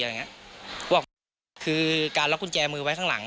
เขาบอกคือการล็อกกุญแจมือไว้ข้างหลัง